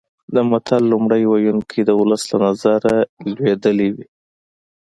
د متل لومړی ویونکی د ولس له نظره لوېدلی وي